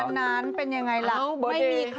ใช่เบิร์ทเดย์ไปเลยค่ะ